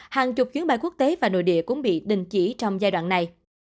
hàng chục chuyến bay quốc tế và nội địa cũng bị đình chỉ trong giai đoạn này